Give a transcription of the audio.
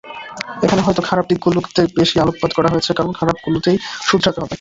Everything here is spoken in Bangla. এখানে হয়তো খারাপ দিকগুলোতে বেশি আলোকপাত করা হয়েছে কারণ খারাপগুলোকেই শোধারাতে হবে।